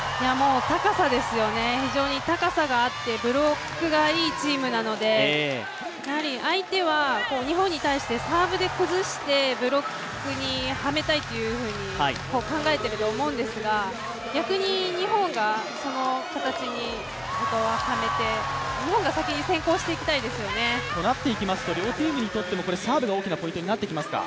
高さですよね、非常に高さが合ってブロックがいいチームなので相手は日本に対してサーブで崩してブロックにはめたいと考えていると思うんですが、逆に日本がその形に、はめて日本が先行していきたいですよね。となっていきますと両チームにとってサーブがポイントになってきますか。